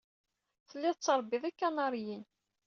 Tellid tettṛebbid ikanaṛiyen.